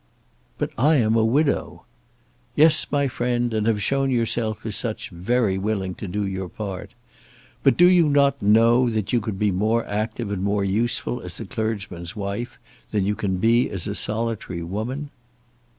"But I am a widow." "Yes, my friend; and have shown yourself, as such, very willing to do your part. But do you not know that you could be more active and more useful as a clergyman's wife than you can be as a solitary woman?"